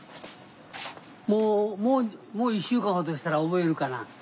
もうもう１週間ほどしたら覚えるかな？